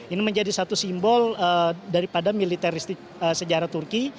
ini menjadi satu simbol daripada militeristik sejarah turki